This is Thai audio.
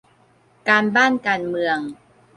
การบ้านการเมือง